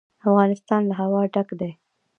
افغانستان له هوا ډک دی.